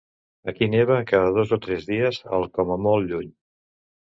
Aquí neva cada dos o tres dies al com a molt lluny.